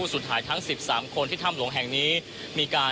คุณทัศนาควดทองเลยค่ะ